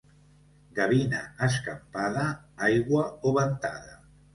Gavina escampada, aigua o ventada.